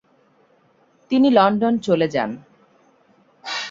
তিনি লন্ডন চলে যান।